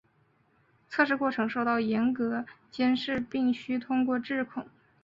测试过程受到严密监视并须通过质控。